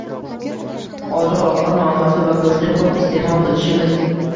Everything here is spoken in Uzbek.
Oziq -ovqat muammosi va go'shtni ko'p iste'mol qilishimiz